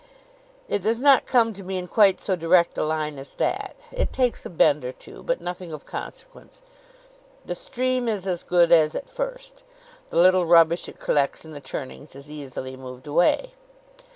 It does not come to me in quite so direct a line as that; it takes a bend or two, but nothing of consequence. The stream is as good as at first; the little rubbish it collects in the turnings is easily moved away.